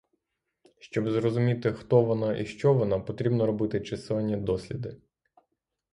Шоб зрозуміти, хто вона і що вона, потрібно робити численні досліди.